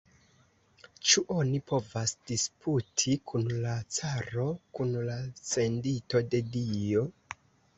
Ĉu oni povas disputi kun la caro, kun la sendito de Dio?